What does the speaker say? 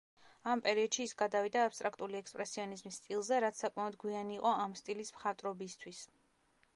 ამ პერიოდში ის გადავიდა აბსტრაქტული ექსპრესიონიზმის სტილზე, რაც საკმაოდ გვიანი იყო ამ სტილის მხატვრობისთვის.